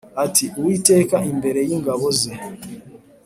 ati:” uwiteka imbere y`ingabo ze